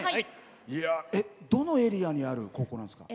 どのエリアにある高校なんですか？